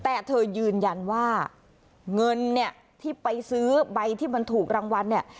แต่เธอยืนยันว่าเงินเนี่ยที่ไปซื้อใบที่มันถูกรางวัลเนี่ย